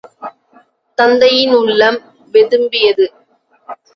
தத்தையின் உள்ளம் வெதும்பியது!